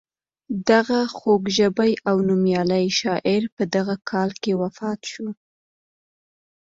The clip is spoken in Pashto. دغه خوږ ژبی او نومیالی شاعر په کال کې وفات شو.